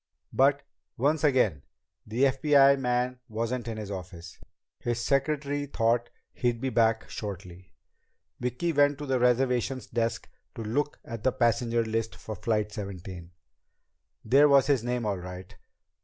But, once again, the FBI man wasn't in his office. His secretary thought he'd be back shortly. Vicki went to the reservations desk to look at the passenger list for Flight 17. There was his name, all right.